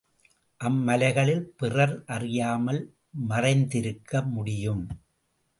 அம்மலைகளில் பிறர் அறியாமல் மறைந்திருக்க முடியும்.